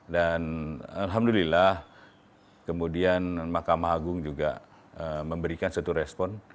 dan alhamdulillah kemudian mahkamah agung juga memberikan satu respon